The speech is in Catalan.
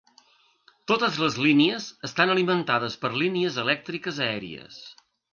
Totes les línies estan alimentades per línies elèctriques aèries.